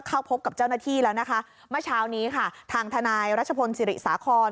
เข้าพบกับเจ้าหน้าที่แล้วนะคะเมื่อเช้านี้ค่ะทางทนายรัชพลศิริสาคร